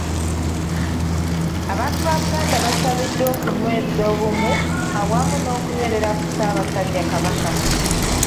Abantu ba Buganda basabiddwa okunyweza obumu awamu n’okunywerera ku Ssaabasajja Kabaka.